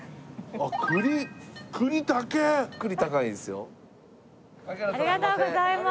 ありがとうございます。